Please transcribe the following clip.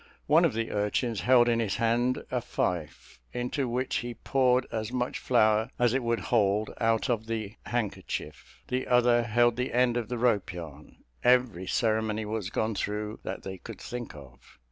One of the urchins held in his hand a fife, into which he poured as much flour as it would hold out of the handkerchief, the other held the end of the rope yarn: every ceremony was gone through that they could think of.